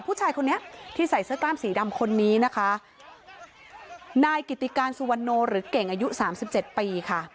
ผู้ชายคนนี้ที่ใส่เสื้อกล้ามสีดำคนนี้นะคะนายกิติการสุวรรณโนหรือเก่งอายุสามสิบเจ็ดปีค่ะ